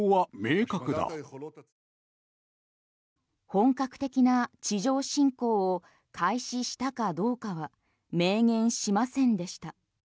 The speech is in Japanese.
本格的な地上侵攻を開始したかどうかは明言しませんでした。